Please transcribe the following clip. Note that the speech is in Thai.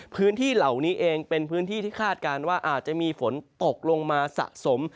พื้นที่เหล่านี้เองเป็นพื้นที่ที่คาดการณ์ว่าอาจจะมีฝนตกลงมาสะสม